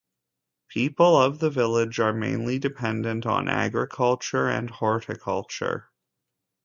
People of the village are mainly dependent on agriculture and horticulture.